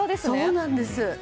そうなんです。